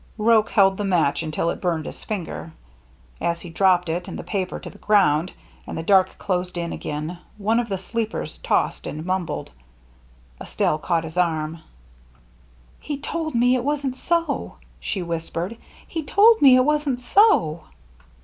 Roche held the match until it burned his finger. As he dropped it and the paper to the ground, and the dark closed in again, one of the sleepers tossed and mumbled. Estelle caught his arm. " He told me it wasn't so," she whispered. " He told me it wasn't so."